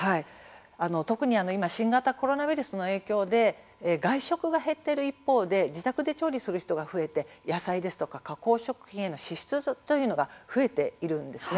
特に今新型コロナウイルスの影響で外食が減っている一方で自宅で調理する人が増えて野菜や加工食品にある一定の支出が増えているんです。